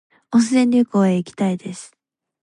温泉旅行へ行きたいです